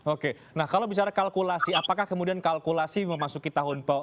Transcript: oke nah kalau bicara kalkulasi apakah kemudian kalkulasi memasuki tahun